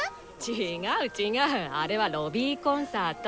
違う違うあれはロビーコンサート。